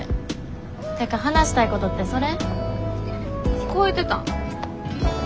聞こえてた。